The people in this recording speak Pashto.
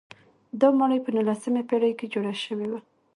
دا ماڼۍ په نولسمې پېړۍ کې جوړه شوې وه.